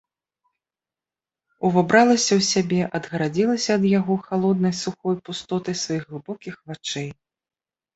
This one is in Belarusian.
Увабралася ў сябе, адгарадзілася ад яго халоднай, сухой пустатой сваіх глыбокіх вачэй.